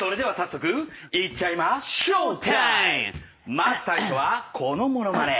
まず最初はこの物まね。